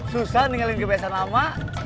susah ninggalin kebiasaan lama